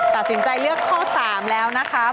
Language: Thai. ตัดสินใจเลือกข้อ๓แล้วนะคะ